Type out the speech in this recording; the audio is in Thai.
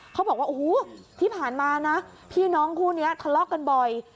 เขาบอกว่าโอ้โหที่ผ่านมานะพี่น้องคู่นี้ทะเลาะกันบ่อย